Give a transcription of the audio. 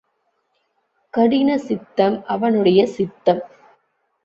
கடினசித்தம் அவனுடைய சித்தம்!